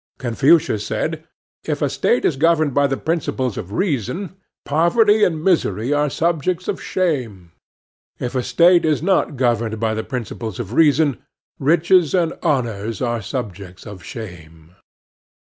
Confucius said,—"If a State is governed by the principles of reason, poverty and misery are subjects of shame; if a State is not governed by the principles of reason, riches and honors are the subjects of shame."